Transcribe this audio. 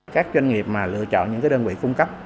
các doanh nghiệp mà lựa chọn những đơn vị cung cấp